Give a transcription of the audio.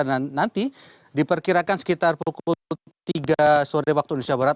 dan nanti diperkirakan sekitar pukul tiga sore waktu indonesia barat